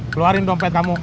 keluarin dompet kamu